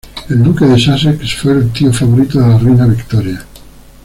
El duque de Sussex fue el tío favorito de la reina Victoria.